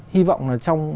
hy vọng là trong